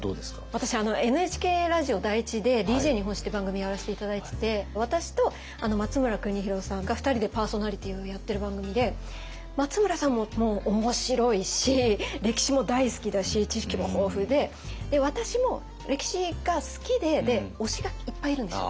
私ＮＨＫラジオ第１で「ＤＪ日本史」って番組やらせて頂いてて私と松村邦洋さんが２人でパーソナリティーをやってる番組で松村さんもおもしろいし歴史も大好きだし知識も豊富で私も歴史が好きで推しがいっぱいいるんですよ